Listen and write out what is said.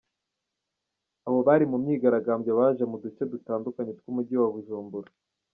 Abo bari mu myigaragambyo baje bava mu duce dutandukanye tw’umujyi wa Bujumbura.